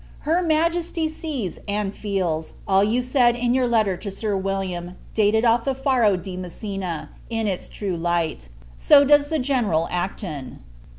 Her Majesty sees, and feels, all you said in your letter to Sir William, dated off the Faro di Messina, in its true light; so does General Acton.